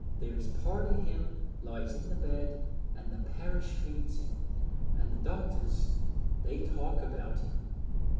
There's part o' him lies i' the bed, an' the parish feeds him, an' the doctors they talk about him.